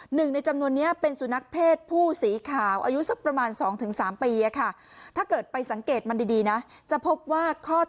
หนึ่งในจำนวนนี้เป็นสุนัขเพศผู้สีขาวอายุสักประมาณ๒๓ปีถ้าเกิดไปสังเกตมันดีนะจะพบว่าข้อ